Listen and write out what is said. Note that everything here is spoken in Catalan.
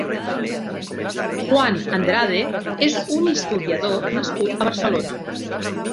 Juan Andrade és un historiador nascut a Barcelona.